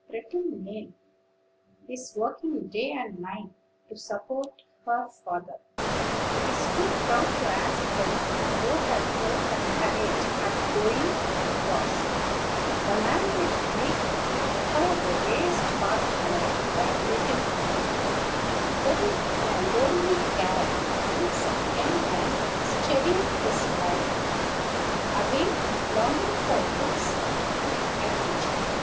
Pretty Nell is working day and night, to support her father, and is too proud to ask help, though her health and courage are going fast. The man might make hers the gayest heart alive, by a little help. There in a lonely garret lives a young man studying his life away, longing for books and a teacher.